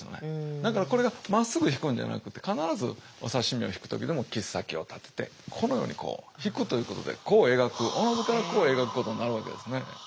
だからこれがまっすぐひくんじゃなくて必ずお刺身をひく時でも切っ先を立ててこのようにこうひくということで弧を描くおのずから弧を描くことになるわけですね。